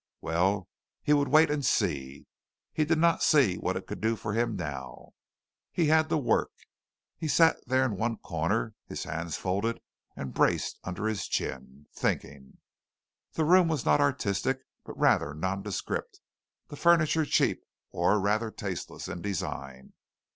Well, he would wait and see. He did not see what it could do for him now. He had to work. He sat there in one corner, his hands folded and braced under his chin, thinking. The room was not artistic but rather nondescript, the furniture cheap or rather tasteless in design.